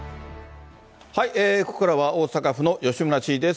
ここからは大阪府の吉村知事です。